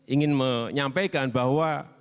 ingin menyampaikan bahwa